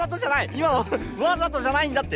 今のはわざとじゃないんだって！